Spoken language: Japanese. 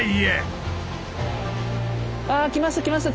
あ来ました来ました